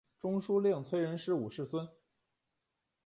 中书令崔仁师五世孙。